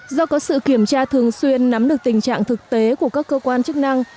do có sự kiểm tra thường xuyên nắm được tình trạng thực tế của các cơ quan chức năng